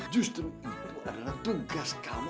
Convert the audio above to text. justru itu adalah tugas kami